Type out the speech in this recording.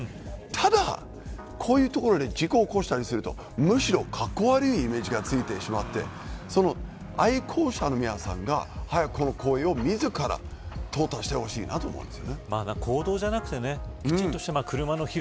ただ、こういう所で事故を起こしたりするとむしろかっこ悪いイメージがついてしまい愛好者の皆さんが早く、こういった行為を自ら淘汰してほしいです。